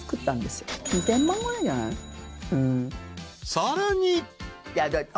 ［さらに］